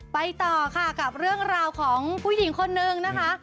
ไปต่อค่ะกับเรื่องราวของผู้หญิงคนนึงนะคะ